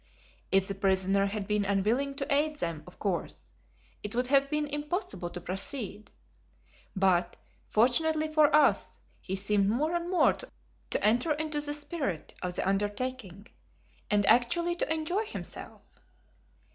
If the prisoner had been unwilling to aid them, of course, it would have been impossible to proceed, but, fortunately for us, he seemed more and more to enter into the spirit of the undertaking, and actually to enjoy it himself.